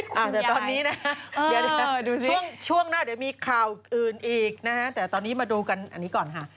คุณยายดูสิครับช่วงหน้าเดี๋ยวมีข่าวอื่นอีกนะฮะแต่ตอนนี้มาดูกันอันนี้ก่อนค่ะ